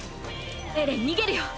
エレン逃げるよ！！